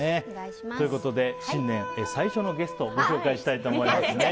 ということで新年最初のゲストをご紹介したいと思います。